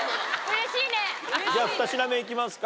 じゃ二品目いきますか。